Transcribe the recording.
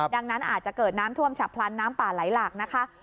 ดังนั้นอาจจะเกิดน้ำท่วมฉับพลันน้ำป่าไหลหลากนะคะ